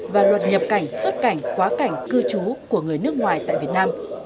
và luật nhập cảnh xuất cảnh quá cảnh cư trú của người nước ngoài tại việt nam